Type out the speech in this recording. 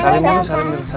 salim dulu salim dulu